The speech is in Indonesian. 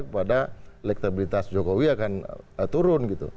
kepada lektabilitas jokowi akan turun gitu